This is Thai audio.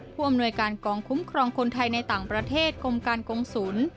ผู้อำนวยการกองคุ้มครองคนไทยในต่างประเทศกรมการกงศูนย์